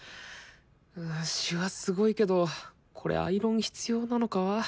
シワすごいけどこれアイロン必要なのか？